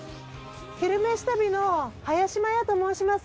「昼めし旅」の林マヤと申します。